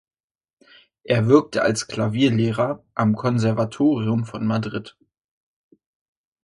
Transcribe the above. Er wirkte als Klavierlehrer am Konservatorium von Madrid.